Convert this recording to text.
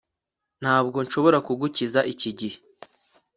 Ntabwo nshobora kugukiza iki gihe